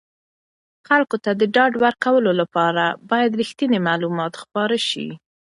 خلکو ته د ډاډ ورکولو لپاره باید رښتیني معلومات خپاره شي.